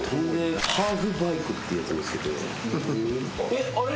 えっあれ？